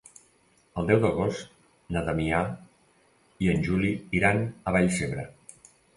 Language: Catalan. El deu d'agost na Damià i en Juli iran a Vallcebre.